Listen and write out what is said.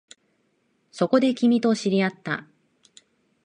そこで、君と知り合った